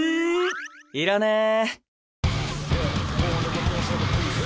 いらねぇ。